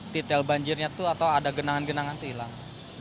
detail banjirnya tuh atau ada genangan genangan tuh hilang